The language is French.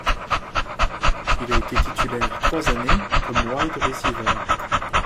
Il a été titulaire trois années comme wide receiver.